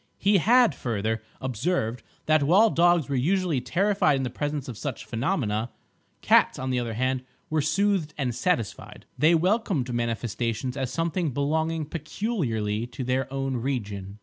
He had, further, observed that while dogs were usually terrified in the presence of such phenomena, cats on the other hand were soothed and satisfied. They welcomed manifestations as something belonging peculiarly to their own region.